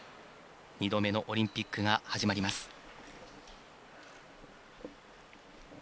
２度目のオリンピックが始まります。